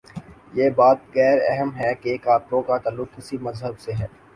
یہ بات غیر اہم ہے کہ قاتل کا تعلق کس مذہب سے ہے۔